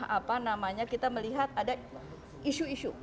apa namanya kita melihat ada isu isu